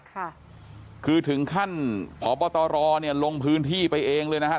ค่ะคือถึงขั้นพบตรเนี่ยลงพื้นที่ไปเองเลยนะฮะ